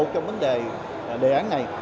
trong vấn đề đề án này